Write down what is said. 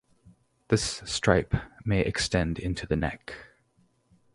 This stripe may extend into the neck.